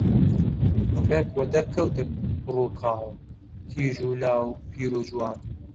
ڕێک وەدەرکەوتن کوڕوکاڵ، کیژ و لاو، پیر و جوان